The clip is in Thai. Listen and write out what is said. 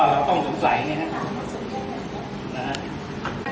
เราต้องสงสัยนะครับ